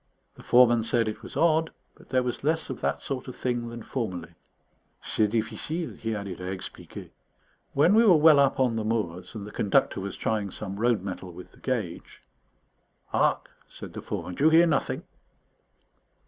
The foreman said it was odd, but there was less of that sort of thing than formerly. "C'est difficile," he added, "à expliquer." When we were well up on the moors and the Conductor was trying some road metal with the gauge "Hark!" said the foreman, "do you hear nothing?"